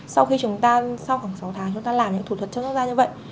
sau khi chúng ta sau khoảng sáu tháng chúng ta làm những thủ thuật chăm sóc da như vậy